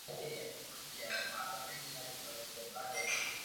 Na českém trhu se jeho první verze objevila v druhé polovině devadesátých let.